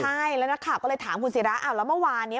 ใช่แล้วนักข่าวก็เลยถามคุณศิราอ้าวแล้วเมื่อวานนี้